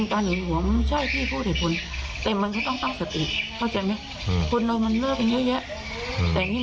หนูทำมิดอันเนี้ยหนูบอกอยากเข้ามาน่ะหนูก็วิ่งข้างประตูอีกประตูเนี้ย